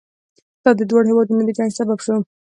دا د دواړو هېوادونو د جنګ سبب شو.